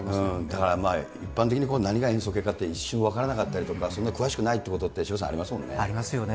だから一般的に何が塩素系かって、一瞬分からなかったりとか、そんなに詳しくなかったりとかって渋谷さん、ありますよね。ありますよね。